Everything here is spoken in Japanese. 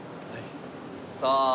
さあ。